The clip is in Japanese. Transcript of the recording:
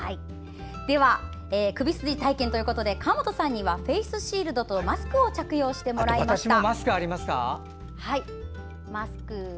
では、首筋体験ということで川本さんにはフェースシールドとマスクを着用していただきました。